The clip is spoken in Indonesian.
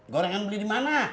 gorengan beli di mana